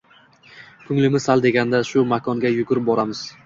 Ko‘pchiligimiz sal deganda shu makonga yugurib boramiz.